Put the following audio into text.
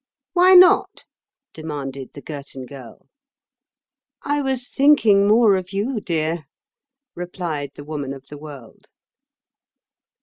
"Why not?" demanded the Girton Girl. "I was thinking more of you, dear," replied the Woman of the World.